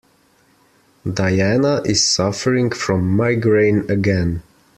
Diana is suffering from migraine again.